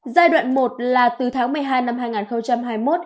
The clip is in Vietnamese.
giai đoạn một là từ tháng một mươi hai năm hai nghìn hai mươi một